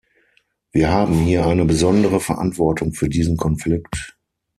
Wir haben hier eine besondere Verantwortung für diesen Konflikt.